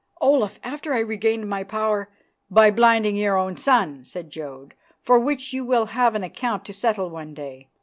"Olaf, after I regained my power " "By blinding your own son," said Jodd, "for which you will have an account to settle one day."